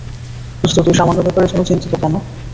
দোস্ত, তুই সামান্য ব্যাপারের জন্য চিন্তিত কেন?